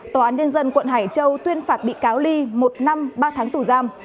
tòa án nhân dân quận hải châu tuyên phạt bị cáo ly một năm ba tháng tù giam